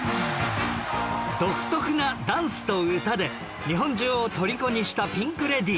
独特なダンスと歌で日本中を虜にしたピンク・レディー